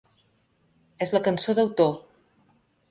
És la cançó d’autor.